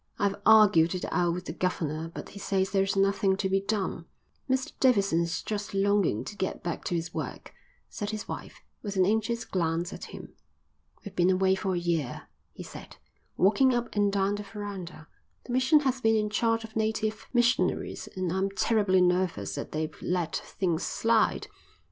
"I've argued it out with the governor, but he says there is nothing to be done." "Mr Davidson's just longing to get back to his work," said his wife, with an anxious glance at him. "We've been away for a year," he said, walking up and down the verandah. "The mission has been in charge of native missionaries and I'm terribly nervous that they've let things slide.